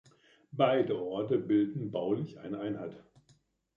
Beide Orte bilden baulich eine Einheit.